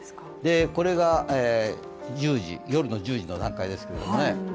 これが夜の１０時の段階ですけどね。